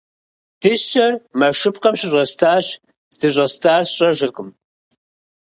Дыщэр мэшыпкъэм щыщӏэстӏащ, здыщӏэстӏар сщӏэжыркъым.